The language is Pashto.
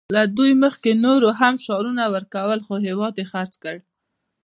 له دوی مخکې نورو هم شعارونه ورکول خو هېواد یې خرڅ کړ